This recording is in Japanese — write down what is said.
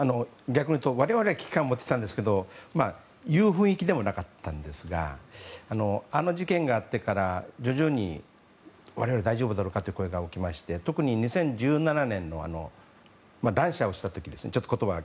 逆にいうと我々は危機感を持ってたんですけど言う雰囲気でもなかったんですがあの事件があってから徐々に我々、大丈夫だろうかという声が起きまして特に２０１７年の言葉は悪いですが乱射をした時。